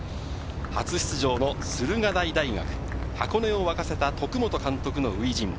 初出場の駿河台大学、箱根を沸かせた徳本監督の初陣。